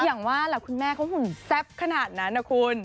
อย่างว่าแหละคุณแม่เขาหุ่นแซ่บขนาดนั้นนะคุณ